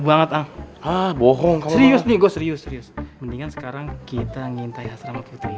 banget ah ah bohong serius nih gue serius serius mendingan sekarang kita ngintai asrama putri